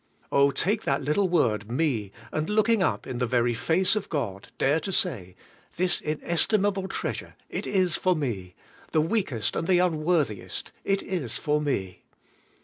Oh, take that little word "me," and looking up in the very face of God dare to say: "This inestimable treasure — it is for me, the weakest and the unworthiest; it is for me."